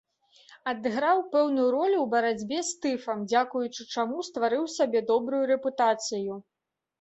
Адыграў пэўную ролю ў барацьбе з тыфам, дзякуючы чаму стварыў сабе добрую рэпутацыю.